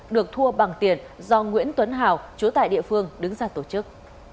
được thua bằng tiền do nguyễn tuấn hào chúa tại địa phương đứng ra tổ chức